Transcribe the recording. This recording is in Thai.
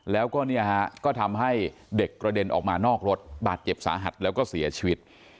แล้วก็เนี่ยฮะก็ทำให้เด็กกระเด็นออกมานอกรถบาดเจ็บสาหัสแล้วก็เสียชีวิต